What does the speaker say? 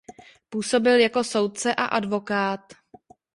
Působil jako soudce a advokát.